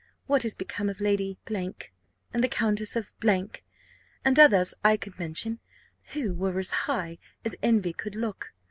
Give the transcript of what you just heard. What is become of Lady , and the Countess of , and others I could mention, who were as high as envy could look?